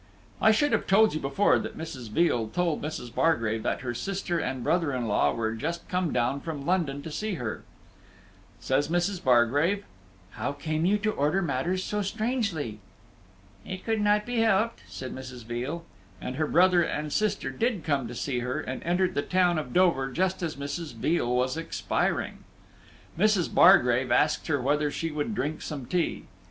I should have told you before that Mrs. Veal told Mrs. Bargrave that her sister and brother in law were just come down from London to see her. Says Mrs. Bargrave, "How came you to order matters so strangely?" "It could not be helped," said Mrs. Veal. And her brother and sister did come to see her, and entered the town of Dover just as Mrs. Veal was expiring. Mrs. Bargrave asked her whether she would drink some tea.